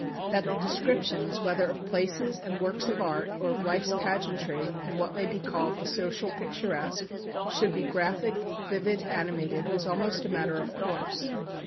That the descriptions, whether of places and works of art, or of life's pageantry, and what may be called the social picturesque, should be graphic, vivid, animated, was almost a matter of course.